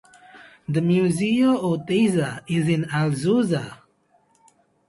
The Museo Oteiza is in Alzuza.